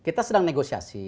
kita sedang negosiasi